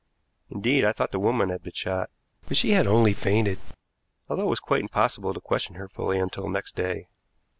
Indeed, I thought the woman had been shot, but she had only fainted, although it was quite impossible to question her fully until next day.